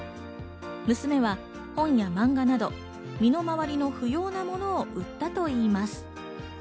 娘は本や漫画など身の回りの不要な物を売ったといいます。